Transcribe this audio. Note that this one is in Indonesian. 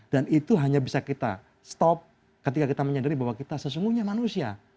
dan itu hanya bisa kita stop ketika kita menyadari bahwa kita sesungguhnya manusia